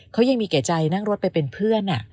เขายังมีแก่ใจนั่งรถไปเป็นเพื่อน